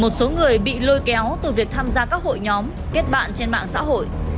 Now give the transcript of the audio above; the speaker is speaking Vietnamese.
thông ra các hội nhóm kết bạn trên mạng xã hội